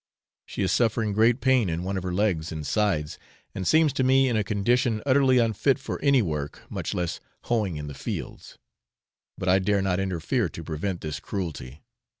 She is suffering great pain in one of her legs and sides, and seems to me in a condition utterly unfit for any work, much less hoeing in the fields; but I dare not interfere to prevent this cruelty.